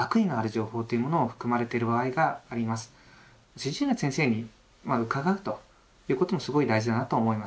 主治医の先生に伺うということもすごい大事だなと思います。